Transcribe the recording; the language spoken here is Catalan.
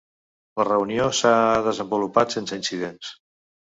La reunió s’ha desenvolupat sense incidents.